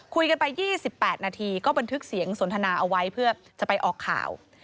คุยกันไป๒๘นาทีก็บันทึกเสียงสนทนาเอาไว้เพื่อจะไปออกข่าว